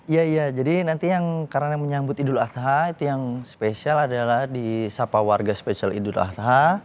iya iya jadi nanti yang karena menyambut idul adha itu yang spesial adalah di sapa warga spesial idul adha